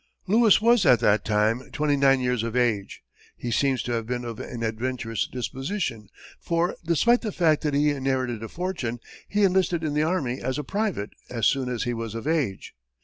Lewis was at that time twenty nine years of age. He seems to have been of an adventurous disposition for, despite the fact that he inherited a fortune, he enlisted in the army as a private as soon as he was of age.